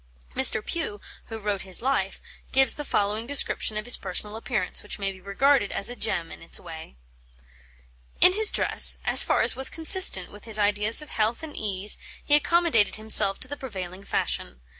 Mr. Pugh, who wrote his life, gives the following description of his personal appearance, which may be regarded as a gem in its way: "In his dress, as far as was consistent with his ideas of health and ease, he accommodated himself to the prevailing fashion.